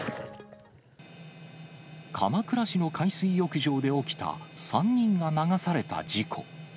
鎌倉市の海水浴場で起きた３人が流された事故。